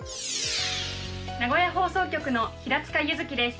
名古屋放送局の平塚柚希です。